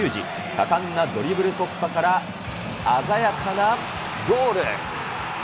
果敢なドリブル突破から、鮮やかなゴール。